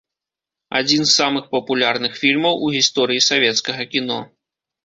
Адзін з самых папулярных фільмаў у гісторыі савецкага кіно.